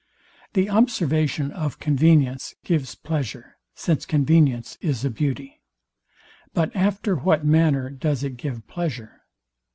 The observation of convenience gives pleasure, since convenience is a beauty. But after what manner does it give pleasure?